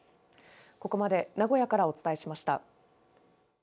ここまで名古屋からお伝えしました。